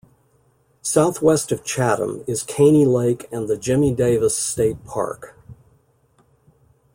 Southwest of Chatham is Caney Lake and the Jimmie Davis State Park.